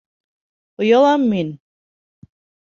— Оялам мин.